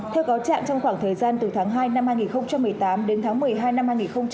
theo cáo trạng trong khoảng thời gian từ tháng hai năm hai nghìn một mươi tám đến tháng một mươi hai năm hai nghìn một mươi chín